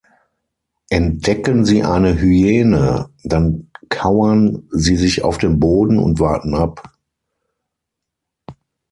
Entdecken sie eine Hyäne, dann kauern sie sich auf den Boden und warten ab.